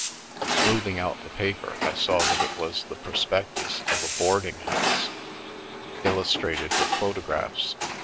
Smoothing out the paper, I saw that it was the prospectus of a boarding house, illustrated with photographs.